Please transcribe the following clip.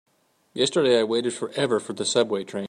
Yesterday I waited forever for the subway train.